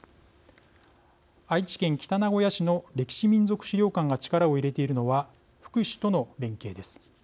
愛知県北名古屋市の歴史民俗資料館が力を入れているのは福祉との連携です。